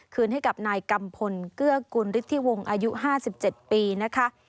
คืนให้กับนายกัมพลเกื้อกุลฤทธิวงศ์อายุ๕๗ปีนะคะ